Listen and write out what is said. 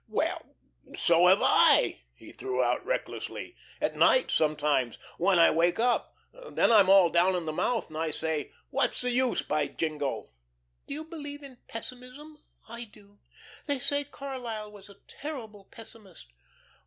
"Well, so have I," he threw out recklessly. "At night, sometimes when I wake up. Then I'm all down in the mouth, and I say, 'What's the use, by jingo?'" "Do you believe in pessimism? I do. They say Carlyle was a terrible pessimist."